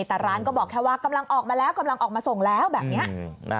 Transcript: แต่ร้านก็บอกแค่ว่ากำลังออกมาแล้วกำลังออกมาส่งแล้วแบบนี้